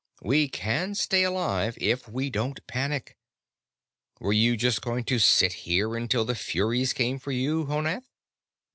We can stay alive if we don't panic. Were you just going to sit here until the furies came for you, Honath?"